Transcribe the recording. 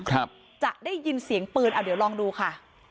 ครับจะได้ยินเสียงปืนเอาเดี๋ยวลองดูค่ะ